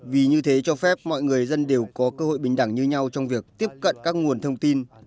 vì như thế cho phép mọi người dân đều có cơ hội bình đẳng như nhau trong việc tiếp cận các nguồn thông tin